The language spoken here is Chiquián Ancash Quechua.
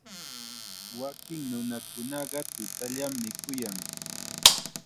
Wakin nunakunaqa tutallam mikuyan.